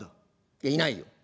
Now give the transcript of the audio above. いやいないよ。